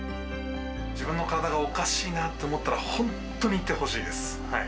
自分の体がおかしいなと思ったら、本当に行ってほしいです。